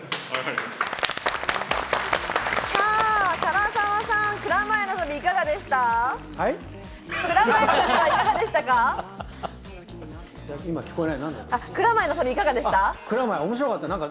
唐沢さん、蔵前の旅いかがでしたか？